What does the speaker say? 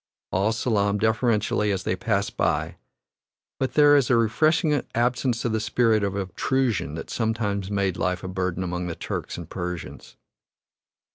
All salaam deferentially as they pass by, but there is a refreshing absence of the spirit of obtrusion that sometimes made life a burden among the Turks and Persians.